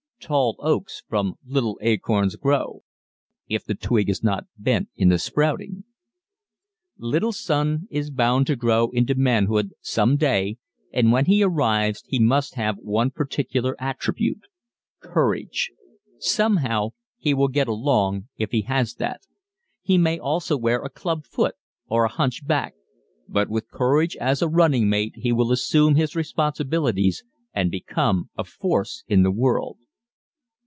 Tall oaks from little acorns grow if the twig is not bent in the sprouting. Little son is bound to grow into manhood some day and when he arrives he must have one particular attribute courage. Somehow he will get along if he has that. He may also wear a "clubfoot" or a "hunch back," but with courage as a running mate he will assume his responsibilities and become a force in the world.